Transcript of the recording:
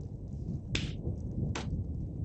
Bihar ere ez da ikastetxera joango.